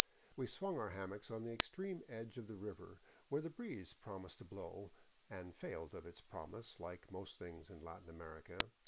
We swtmg our hammocks on the extreme edge of the river, where the breeze promised to blow — and failed of its prom ise, like most things Latin American.